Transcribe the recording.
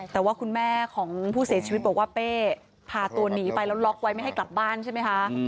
แต่ว่าคุณแม่ของผู้เสียชีวิตบอกว่าเป้พาตัวหนีไปแล้วล็อกไว้ไม่ให้กลับบ้านใช่ไหมคะ